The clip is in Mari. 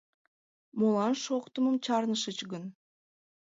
Молан шоктымым чарнышыч гын?